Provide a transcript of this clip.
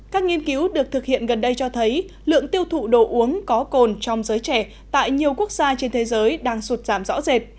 các nghiên cứu được thực hiện gần đây cho thấy lượng tiêu thụ đồ uống có cồn trong giới trẻ tại nhiều quốc gia trên thế giới đang sụt giảm rõ rệt